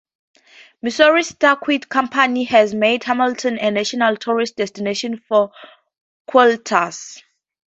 Missouri Star Quilt Company has made Hamilton a national tourist destination for quilters.